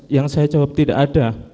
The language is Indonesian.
yang saya jawab tidak ada